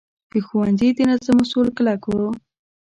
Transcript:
د ښوونځي د نظم اصول کلک وو.